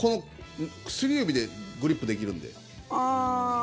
薬指でグリップできるんで。